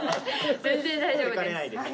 全然大丈夫です。